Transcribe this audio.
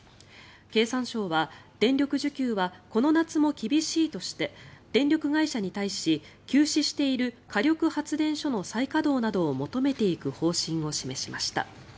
経産省は電力需給はこの夏も厳しいとして電力会社に対し休止している火力発電所の再稼働などを求めていく方針を示しました。